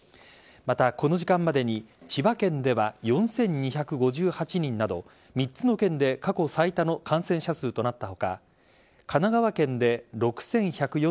また、この時間までに千葉県では４２５８人など３つの県で過去最多の感染者数となった他神奈川県で６１４１人